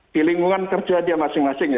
di lingkungan kerja dia masing masing